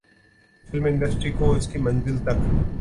film industry کو اس منزل تک